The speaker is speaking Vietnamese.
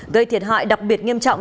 gây thiệt hại đặc biệt nghiêm trọng